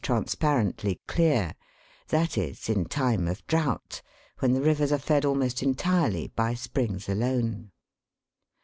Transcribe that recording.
transparently clear, that is in time of drought, when the rivers are fed almost entirely by springs alone.